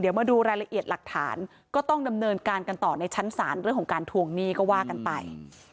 เดี๋ยวมาดูรายละเอียดหลักฐานก็ต้องดำเนินการกันต่อในชั้นศาลเรื่องของการทวงหนี้ก็ว่ากันไป